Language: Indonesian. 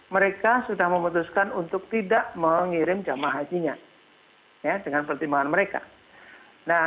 mereka memutuskan untuk tidak mengirim hajinya kedalam pertimbangan daymadeen